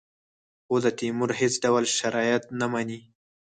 خو د تیمور هېڅ ډول شرایط نه مني.